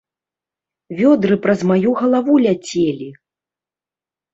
Вёдры праз маю галаву ляцелі!